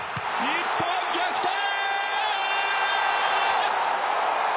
日本逆転！